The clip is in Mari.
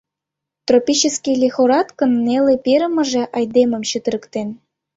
Тропический лихорадкын неле перымыже айдемым чытырыктен.